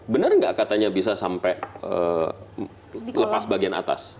benar nggak katanya bisa sampai lepas bagian atas